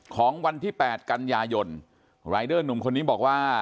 ของวันที่๘กันยายนรายเดอร์หนุ่มคนนี้บอกว่า